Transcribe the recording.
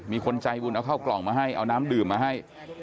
มีคนใจบุญเอาเข้ากล่องมาให้เอาน้ำดื่มมาให้